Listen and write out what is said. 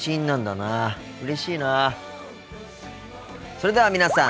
それでは皆さん